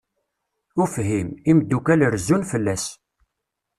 Ufhim, imeddukal rezzun fell-as.